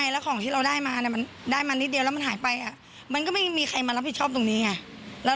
เรายุดมานานก็ไม่พอแล้ว